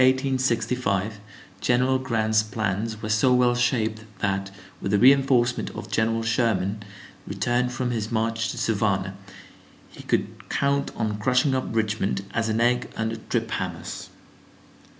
In February, 1865, General Grant's plans were so well shaped that, with the reenforcement of General Sherman returned from his march to Savannah, he could count on crushing up Richmond, as an egg under trip hammers.